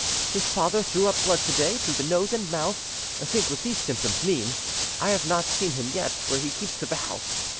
His father threw up blood to day through the nose and mouth; think what these symptoms mean. I have not seen him yet, for he keeps to the house.